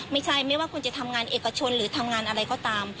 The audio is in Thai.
ไม่ใช่ไม่ว่าคุณจะทำงานเอกชนหรือทำงานอะไรก็ตาม